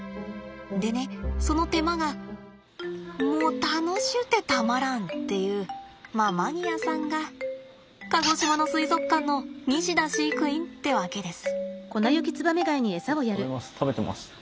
でねその手間がもう楽しゅうてたまらんっていうまあマニアさんが鹿児島の水族館の西田飼育員ってわけです。